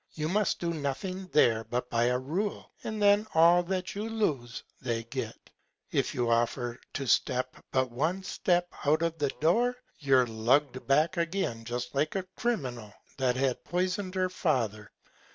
You must do nothing there but by a Rule, and then all that you lose they get. If you offer to step but one Step out of the Door, you're lugg'd back again just like a Criminal that had poison'd her Father.